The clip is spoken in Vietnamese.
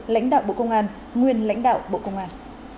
lãnh đạo bộ công an nguyên lãnh đạo bộ công an